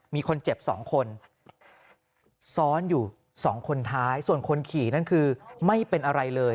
มีคนเจ็บ๒คนซ้อนอยู่สองคนท้ายส่วนคนขี่นั่นคือไม่เป็นอะไรเลย